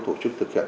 tổ chức thực hiện